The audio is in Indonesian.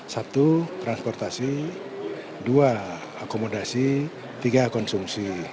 satu transportasi dua akomodasi tiga konsumsi